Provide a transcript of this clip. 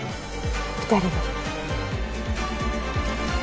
２人で。